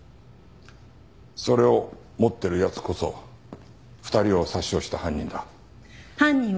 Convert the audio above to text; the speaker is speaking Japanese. それを持ってる奴こそ２人を殺傷した犯人だ。